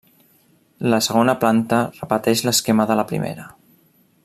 La segona planta repeteix l'esquema de la primera.